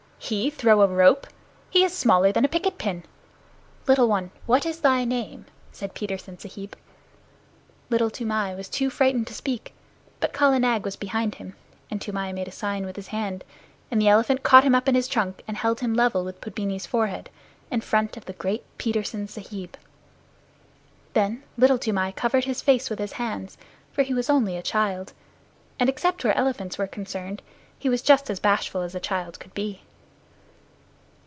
"He throw a rope? He is smaller than a picket pin. Little one, what is thy name?" said Petersen Sahib. Little Toomai was too frightened to speak, but Kala Nag was behind him, and Toomai made a sign with his hand, and the elephant caught him up in his trunk and held him level with Pudmini's forehead, in front of the great Petersen Sahib. Then Little Toomai covered his face with his hands, for he was only a child, and except where elephants were concerned, he was just as bashful as a child could be.